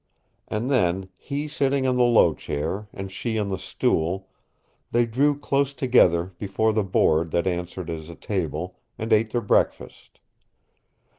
And then, he sitting in the low chair and she on the stool, they drew close together before the board that answered as a table, and ate their breakfast.